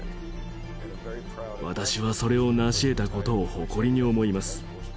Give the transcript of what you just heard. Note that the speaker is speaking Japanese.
私はそれを成し得た事を誇りに思います。